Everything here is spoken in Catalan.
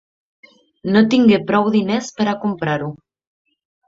No tingué prou diners per a comprar-ho.